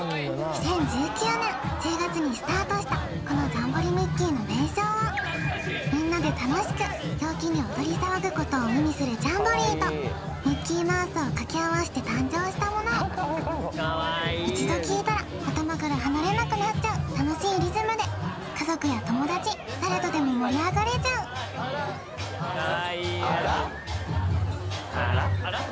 ２０１９年１０月にスタートしたこのジャンボリミッキー！の名称はみんなで楽しく陽気に踊り騒ぐことを意味するジャンボリーとミッキーマウスを掛け合わせて誕生したもの一度聴いたら頭から離れなくなっちゃう楽しいリズムで家族や友達誰とでも盛り上がれちゃうハラッハラッあらっ！？